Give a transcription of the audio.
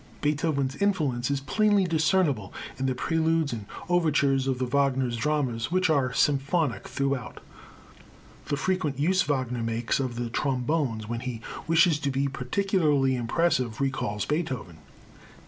Beethoven's influence is plainly discernible in the preludes and overtures of the Wagner dramas, which are symphonic throughout. The frequent use Wagner makes of the trombones, when he wishes to be particularly impressive, recalls Beethoven.